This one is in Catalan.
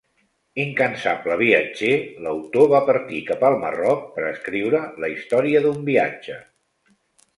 Incansable viatger, l’autor va partir cap al Marroc per escriure la història d’un viatge.